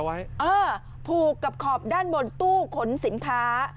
เออผูกกับขอบด้านบนตู้ขนสินค้า